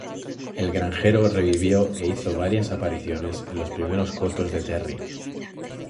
El granjero revivió e hizo varias apariciones en los primeros cortos de Terry.